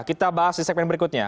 kita bahas di segmen berikutnya